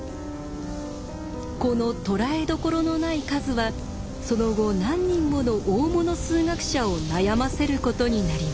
このとらえどころのない数はその後何人もの大物数学者を悩ませることになります。